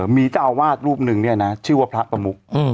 มีเจ้าอาวาสรูปนึงเนี่ยนะชื่อว่าพระประมุก